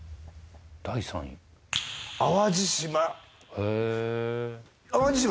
第３位へえ淡路島